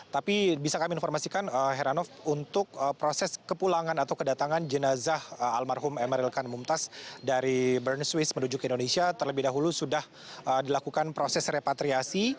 tapi bisa kami informasikan heranov untuk proses kepulangan atau kedatangan jenazah almarhum emeril kan mumtaz dari bern swiss menuju ke indonesia terlebih dahulu sudah dilakukan proses repatriasi